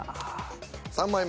３枚目。